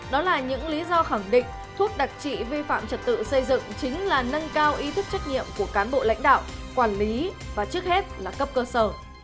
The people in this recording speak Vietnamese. đó là những lý do khẳng định thuốc đặc trị vi phạm trật tự xây dựng chính là nâng cao ý thức trách nhiệm của cán bộ lãnh đạo quản lý và trước hết là cấp cơ sở